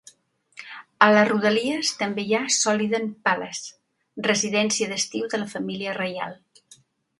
A les rodalies també hi ha Solliden Palace, residència d'estiu de la família reial.